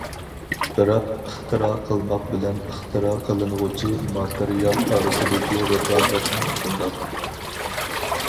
بىراق، ئىختىرا قىلماق بىلەن ئىختىرا قىلىنغۇچى ماتېرىيال ئارىسىدىكى رىقابەتمۇ شۇنداق.